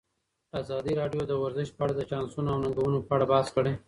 ازادي راډیو د ورزش په اړه د چانسونو او ننګونو په اړه بحث کړی.